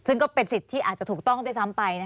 ซึ่งก็เป็นสิทธิ์ที่อาจจะถูกต้องด้วยซ้ำไป